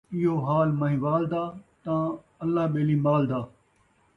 ایہو حال مہینوال دا، تاں اللہ ٻیلی مال دا